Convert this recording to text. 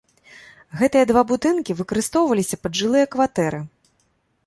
Гэтыя два будынкі выкарыстоўваліся пад жылыя кватэры.